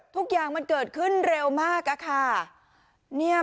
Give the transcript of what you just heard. ทุกอย่างมันเกิดขึ้นเร็วมากอะค่ะ